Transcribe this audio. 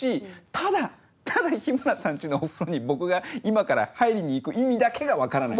ただただ日村さん家のお風呂に僕が今から入りに行く意味だけが分からない。